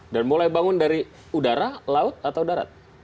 dan mulai bangun dari udara laut atau darat